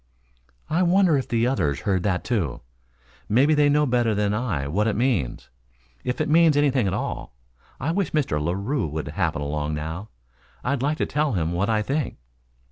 "I wonder if the others heard that, too? Maybe they know better than I what it means, if it means anything at all. I wish Mr. Larue would happen along now. I'd like to tell him what I think."